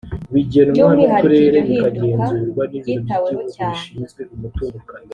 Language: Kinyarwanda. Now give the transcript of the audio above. by’umwihariko iryo hinduka ryitaweho cyane